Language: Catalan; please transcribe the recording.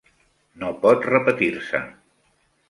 No pot repetir-se.